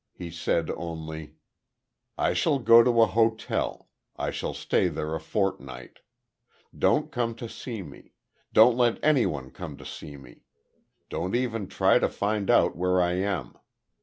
He said, only: "I shall go to a hotel. I shall stay there a fortnight. Don't come to see me. Don't let anyone come to see me. Don't even try to find out where I am.